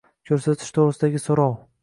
ko‘rsatish to‘g‘risidagi so‘rov